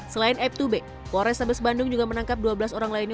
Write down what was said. selain aib tubik polres tabes bandung juga menangkap dua belas orang lainnya